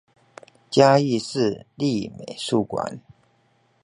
嘉義市立美術館